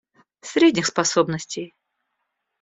Средних способностей.